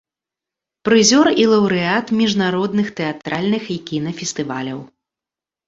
Прызёр і лаўрэат міжнародных тэатральных і кінафестываляў.